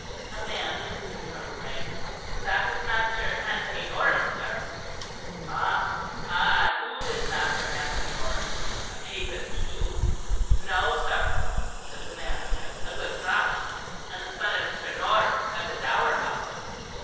A man answered from the rank. "That is Master Anthony Norris, sir." "Ah! and who is Master Anthony Norris? A Papist, too?" "No, sir," said the man again, "a good Protestant; and the son of Mr. Norris at the Dower House."